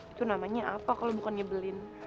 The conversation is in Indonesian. itu namanya apa kalau bukan nyebelin